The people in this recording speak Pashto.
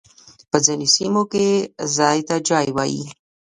په ځينو سيمو کي ځای ته جای وايي.